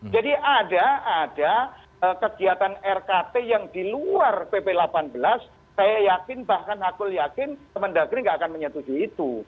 jadi ada kegiatan rkt yang di luar pp delapan belas saya yakin bahkan aku yakin pendagangnya nggak akan menyetujukan itu